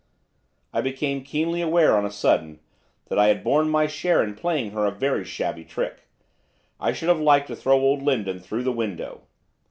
I became keenly aware, on a sudden, that I had borne my share in playing her a very shabby trick, I should have liked to throw old Lindon through the window.